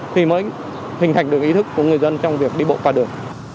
để giúp đỡ được ý thức của người dân trong việc đi bộ qua đường